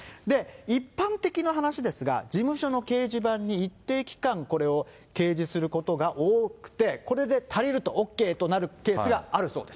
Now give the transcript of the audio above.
一般的な話ですが、事務所の掲示板に一定期間、これを掲示することが多くて、これで足りると、ＯＫとなるケースがあるそうです。